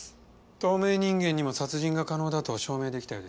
透明人間にも殺人が可能だと証明できたようですね。